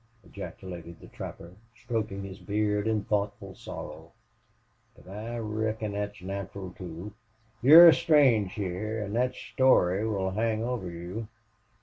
ejaculated the trapper, stroking his beard in thoughtful sorrow. "But I reckon thet's natural, too. You're strange hyar, an' thet story will hang over you....